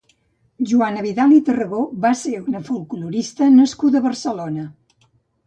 Joana Vidal i Tarragó va ser una folklorista nascuda a Barcelona.